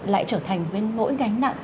lại trở thành nỗi gánh nặng